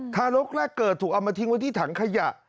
ทารกแรกเกิดถูกเอามาทิ้งไว้ที่ถังขยะ